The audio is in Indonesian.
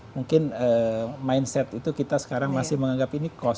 mungkin mindset itu kita sekarang masih menganggap ini cost